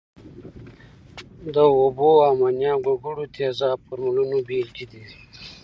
د اوبو، امونیا، ګوګړو تیزاب فورمولونه بیلګې دي.